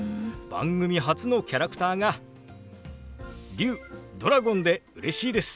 番組初のキャラクターが龍ドラゴンでうれしいです。